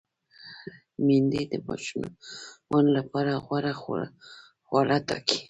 میندې د ماشومانو لپاره غوره خواړه ټاکي۔